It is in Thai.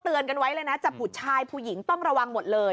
กันไว้เลยนะจะผู้ชายผู้หญิงต้องระวังหมดเลย